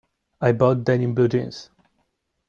I bought denim blue jeans.